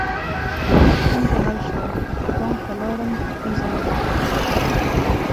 څنګه حل شوه؟ بانک ته لاړم، ستونزه می حل شوه